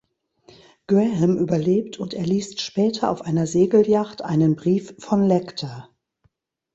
Graham überlebt und er liest später auf einer Segelyacht einen Brief von Lecter.